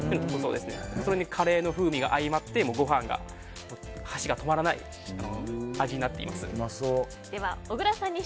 それにカレーの風味が相まってご飯の箸が止まらない味になっています。